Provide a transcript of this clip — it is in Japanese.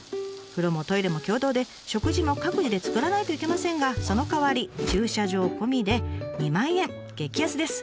風呂もトイレも共同で食事も各自で作らないといけませんがそのかわり激安です。